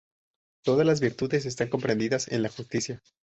Todas las virtudes están comprendidas en la justicia.